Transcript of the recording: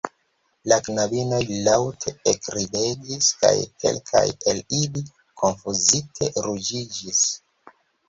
La knabinoj laŭte ekridegis kaj kelkaj el ili konfuzite ruĝiĝis.